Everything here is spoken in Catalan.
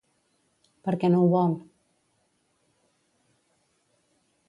Per què no ho vol?